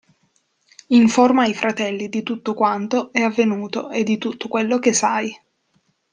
Informa i fratelli di tutto quanto è avvenuto e di tutto quello che sai.